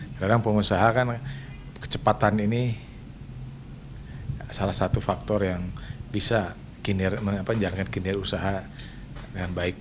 kadang kadang pengusaha kan kecepatan ini salah satu faktor yang bisa menjalankan kinerja usaha dengan baik